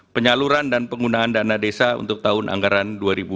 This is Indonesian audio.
penyaluran dan penggunaan dana desa untuk tahun anggaran dua ribu dua puluh